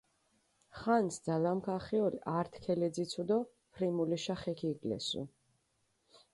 ხანს ძალამქ ახიოლ, ართი ქელეძიცუ დო ფრიმულიშა ხე ქიგლესუ.